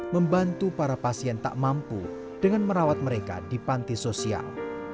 membantu para pasien tak mampu dengan merawat mereka di panti sosial